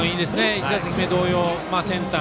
１打席目同様センター